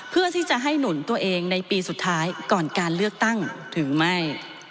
เพื่อที่จะให้หนุนตัวเองในปีสุดท้ายก่อนการเลือกตั้งหรือไม่